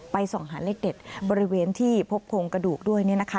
ส่องหาเลขเด็ดบริเวณที่พบโครงกระดูกด้วยเนี่ยนะคะ